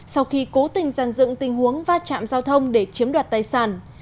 sau khi cố tình dàn dựng tình huống va chạm giao thông để chiếm đoạt tài sản